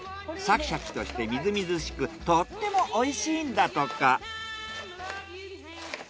シャキシャキとしてみずみずしくとってもおいしいんだとか。